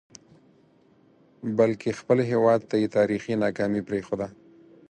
بلکې خپل هیواد ته یې تاریخي ناکامي پرېښوده.